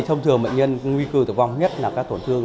thông thường bệnh nhân nguy cơ tử vong nhất là các tổn thương